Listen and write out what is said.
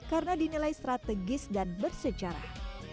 karena dinilai strategis dan bersejarah